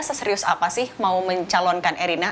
seserius apa sih mau mencalonkan erina